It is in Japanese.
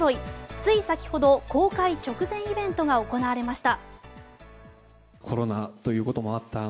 つい先ほど公開直前イベントが行われました。